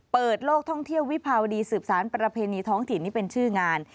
เปิดโลกท่องเที่ยววิภาวดีสืบสารประเพณีท้องถิ่นที่เป็นชื่องาน